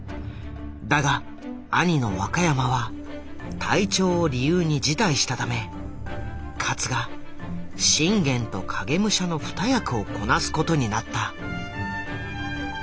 だが兄の若山は体調を理由に辞退したため勝が信玄と影武者の二役をこなすことになった。